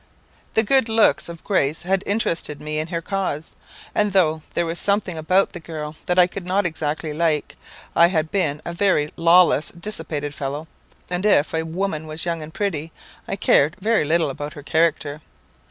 The good looks of Grace had interested me in her cause; and though there was something about the girl that I could not exactly like, I had been a very lawless, dissipated fellow, and if a woman was young and pretty, I cared very little about her character.